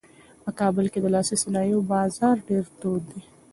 په کابل کې د لاسي صنایعو بازار ډېر تود دی.